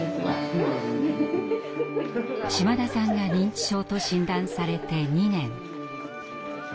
島田さんが認知症と診断されて２年。